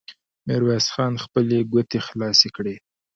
ميرويس خان خپلې ګوتې خلاصې کړې.